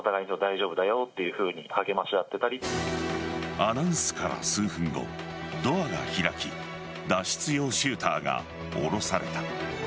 アナウンスから数分後ドアが開き脱出用シューターが降ろされた。